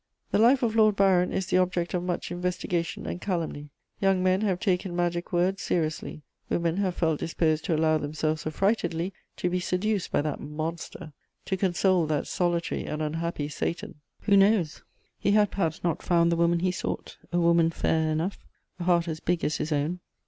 The life of Lord Byron is the object of much investigation and calumny: young men have taken magic words seriously; women have felt disposed to allow themselves affrightedly to be seduced by that "monster," to console that solitary and unhappy Satan. Who knows? He had perhaps not found the woman he sought, a woman fair enough, a heart as big as his own.